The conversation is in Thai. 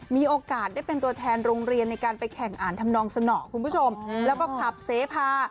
มีโอกาสได้เป็นตัวแทนโรงเรียนในการให้ไปแข่งอ่านธรรมดองสนอกแล้วก็ผลักษพา